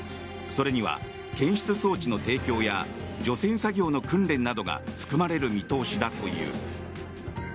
それには検出装置の提供や除染作業の訓練などが含まれる見通しだという。